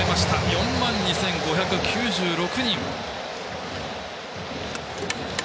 ４万２５９６人。